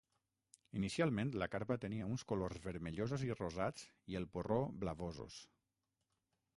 Inicialment la carpa tenia uns colors vermellosos i rosats i el porró blavosos.